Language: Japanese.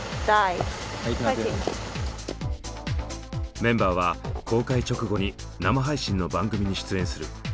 メンバーは公開直後に生配信の番組に出演する。